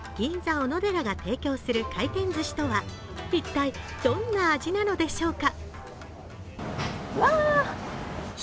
おのでらが提供する回転ずしとは一体どんな味なのでしょうか？